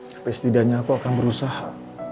sampai setidaknya aku akan berusaha